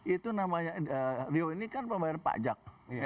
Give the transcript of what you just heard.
itu namanya rio ini kan pembayar pajak